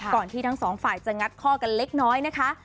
ที่ทั้งสองฝ่ายจะงัดข้อกันเล็กน้อยนะคะ